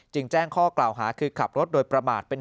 แจ้งข้อกล่าวหาคือขับรถโดยประมาท